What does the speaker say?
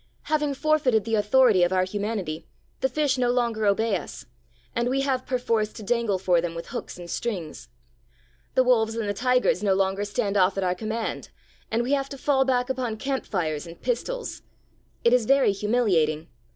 Having forfeited the authority of our humanity, the fish no longer obey us, and we have perforce to dangle for them with hooks and strings. The wolves and the tigers no longer stand off at our command, and we have to fall back upon camp fires and pistols. It is very humiliating!